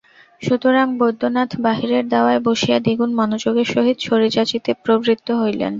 সুতরাং বৈদ্যনাথ বাহিরের দাওয়ায় বসিয়া দ্বিগুণ মনোযোগের সহিত ছড়ি চাঁচিতে প্রবৃত্ত হইলেন।